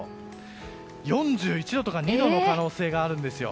４１度とか４２度の可能性があるんですよ。